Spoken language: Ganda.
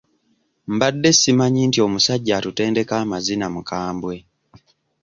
Mbadde simanyi nti omusajja atutendeka amazina mukambwe.